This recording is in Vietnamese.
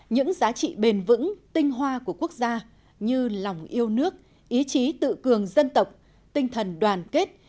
những giá trị bền vững tinh hoa của quốc gia như lòng yêu nước ý chí tự cường dân tộc tinh thần đoàn kết